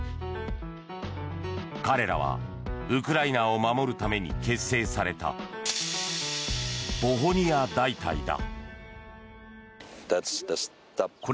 彼らはウクライナを守るために結成されたポホニア大隊だ。